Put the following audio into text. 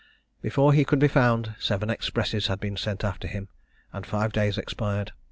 Before he could be found, seven expresses had been sent after him, and five days expired.